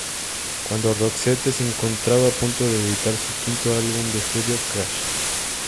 Cuando Roxette se encontraba a punto de editar su quinto álbum de estudio "Crash!